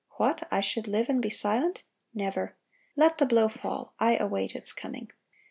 What! I should live and be silent?... Never! Let the blow fall, I await its coming."